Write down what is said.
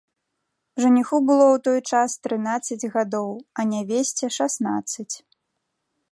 Жаніху было ў той час трынаццаць гадоў, а нявесце шаснаццаць.